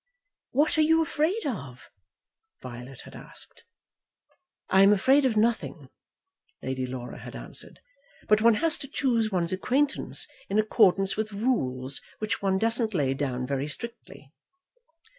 "What are you afraid of?" Violet had asked. "I am afraid of nothing," Lady Laura had answered; "but one has to choose one's acquaintance in accordance with rules which one doesn't lay down very strictly."